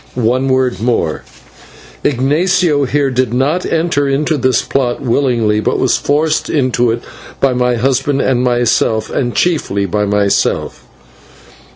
One word more: Ignatio here did not enter into this plot willingly, but was forced into it by my husband and myself, and chiefly by myself."